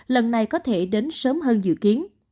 lần này có thể đến sớm hơn dự kiến